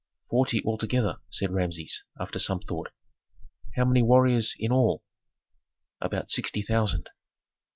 "Forty altogether," said Rameses, after some thought. "How many warriors in all?" "About sixty thousand."